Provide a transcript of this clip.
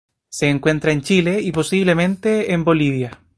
Se encuentra en Chile y, posiblemente, en Bolivia.